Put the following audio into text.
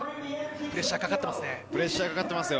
プレッシャーがかかっていますね。